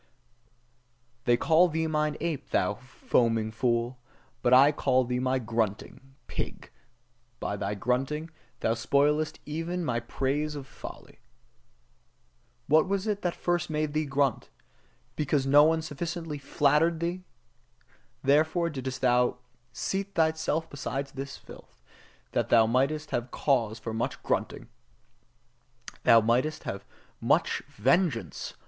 They call thee mine ape, thou foaming fool: but I call thee my grunting pig, by thy grunting, thou spoilest even my praise of folly. What was it that first made thee grunt? Because no one sufficiently FLATTERED thee: therefore didst thou seat thyself beside this filth, that thou mightest have cause for much grunting, That thou mightest have cause for much VENGEANCE!